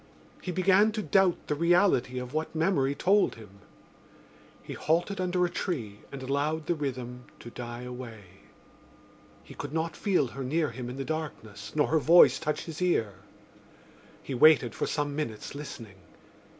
He began to doubt the reality of what memory told him. He halted under a tree and allowed the rhythm to die away. He could not feel her near him in the darkness nor her voice touch his ear. He waited for some minutes listening.